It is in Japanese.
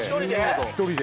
１人で？